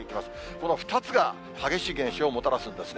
この２つが激しい現象をもたらすんですね。